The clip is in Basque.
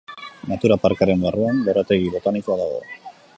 Natura parkearen barruan lorategi botanikoa dago.